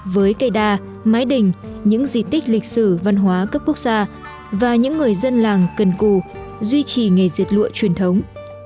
với cây đa mái đình những di tích lịch sử văn hóa cấp quốc gia và những người dân làng cần cù duy trì nghề diệt lụa truyền thống